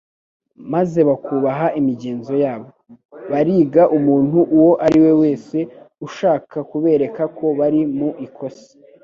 maze bakubaha imigenzo yabo, bariga umuntu uwo ariwe wese ushaka kubereka ko bari mu ikosa.